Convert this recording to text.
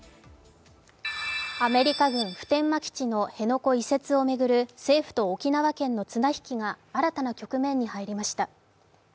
アメリカ軍普天間基地の辺野古移設を巡る政府と沖縄県の綱引きが新たな局面に入りました。